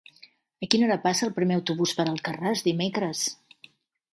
A quina hora passa el primer autobús per Alcarràs dimecres?